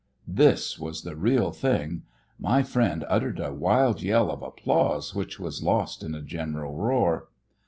This was the real thing. My friend uttered a wild yell of applause which was lost in a general roar.